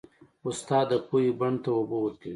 استاد د پوهې بڼ ته اوبه ورکوي.